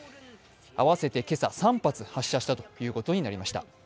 合わせて今朝、３発発射したということになりました。